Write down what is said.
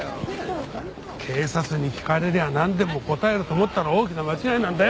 警察に聞かれりゃなんでも答えると思ったら大きな間違いなんだよ！